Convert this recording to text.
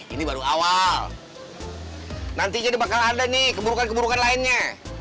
ini baru awal nanti jadi bakal ada nih keburukan keburukan lainnya